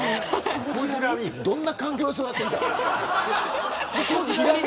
どんな環境で育ってきたの。